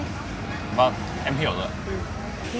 vâng em hiểu rồi